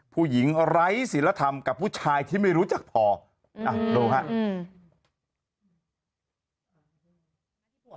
ผู้หญิงไร้ศิลธรรมกับผู้ชายที่ไม่รู้จักพออ่ะโหลครับ